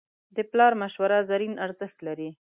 د پلار مشوره زرین ارزښت لري.